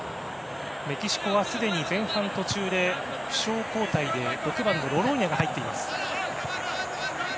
メキシコは、すでに前半途中で負傷交代で６番のロローニャが入っています。